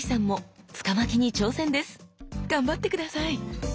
頑張って下さい！